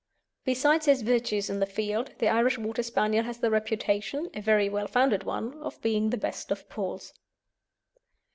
Besides his virtues in the field, the Irish Water Spaniel has the reputation a very well founded one of being the best of pals.